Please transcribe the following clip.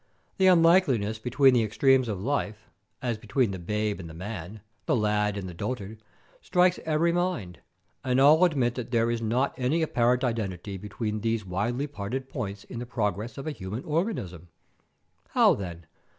The unlikeness between the extremes of life, as between the babe and the man, the lad and the dotard, strikes every mind, and all admit that there is not any apparent identity between these widely parted points in the progress of a human organism. How then?